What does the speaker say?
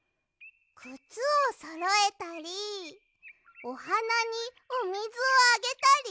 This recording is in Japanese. くつをそろえたりおはなにおみずをあげたり？